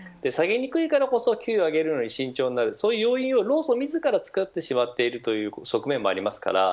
下げにくいからこそ給料を上げるのに慎重になるそういう要因を、労組自らつくってしまっているという側面もあります。